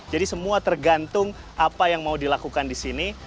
jadi semua tergantung apa yang mau dilakukan di sini